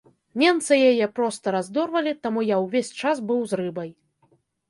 Ненцы яе проста раздорвалі, таму я ўвесь час быў з рыбай.